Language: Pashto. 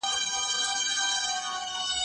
زه اوږده وخت پلان جوړوم وم؟